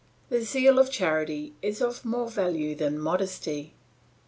The zeal of charity is of more value than modesty.